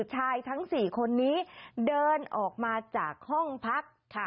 ชายทั้ง๔คนนี้เดินออกมาจากห้องพัก